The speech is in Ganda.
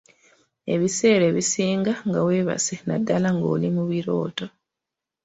Ebiseera ebisinga nga weebase naddala ng'oli mu birooto.